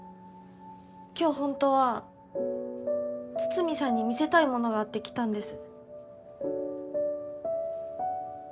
今日ほんとは筒見さんに見せたいものがあって来たんです。